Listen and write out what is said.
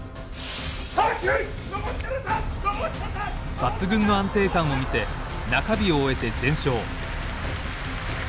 抜群の安定感を見せ中日を終えて全勝。